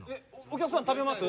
お客さん食べます？